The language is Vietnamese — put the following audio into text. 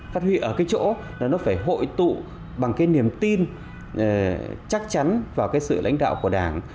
phát huy ở cái chỗ là nó phải hội tụ bằng cái niềm tin chắc chắn vào cái sự lãnh đạo của đảng